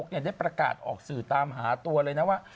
ได้ประกาศออกสื่อตามหาตัวเลยนะว่า